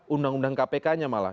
undang undang kpk nya malah